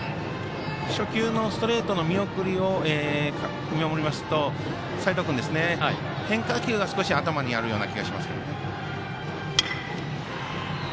初球のストレートの見送り見ますと齋藤君ですね、変化球が少し頭にあるような気がしますけどね。